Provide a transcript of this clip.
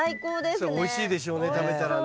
それおいしいでしょうね食べたらね。